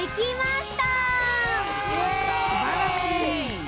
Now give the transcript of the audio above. すばらしい。